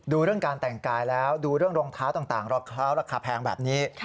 ดูเรื่องการแต่งกายแล้วดูเรื่องรองเท้าต่างราคาวราคาแพงแบบนี้